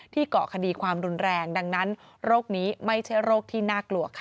เกาะคดีความรุนแรงดังนั้นโรคนี้ไม่ใช่โรคที่น่ากลัวค่ะ